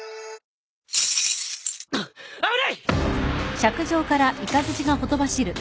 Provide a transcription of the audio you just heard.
危ない！